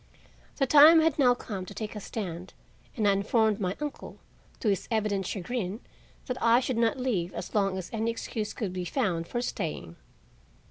The time had now come to take a stand and I informed my uncle, to his evident chagrin, that I should not leave as long as any excuse could be found for staying.